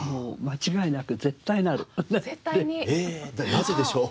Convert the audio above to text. なぜでしょう？